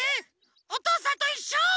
「おとうさんといっしょ」。